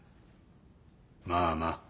まあまあ。